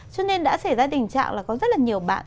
cho nên đã xảy ra tình trạng là có rất là nhiều bạn